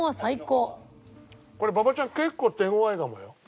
これ馬場ちゃん結構手ごわいかもよ。